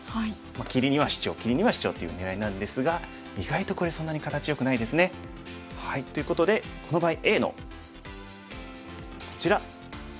切りにはシチョウ切りにはシチョウっていう狙いなんですが意外とこれそんなに形よくないですね。ということでこの場合Ａのこちらかりんのツボですね